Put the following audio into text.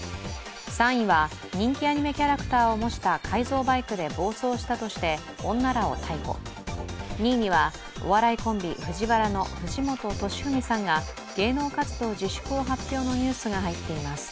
３位は、人気アニメキャラクターを模した改造バイクで暴走したとして女らを逮捕、２位にはお笑いコンビＦＵＪＩＷＡＲＡの藤本敏史さんが、芸能活動自粛を発表のニュースが入っています